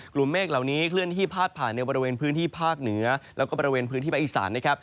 กลุ่มเมฆเหล่านี้เคลื่อนที่พาดผ่านในบริเวณพื้นที่ภาคเหนือแล้วก็บริเวณพื้นที่ภาคอีสานนะครับ